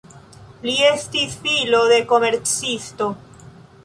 Li estis filo de komercisto.